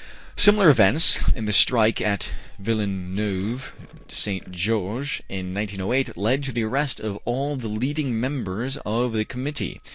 '' Similar events in the strike at Villeneuve St. Georges in 1908 led to the arrest of all the leading members of the Committee.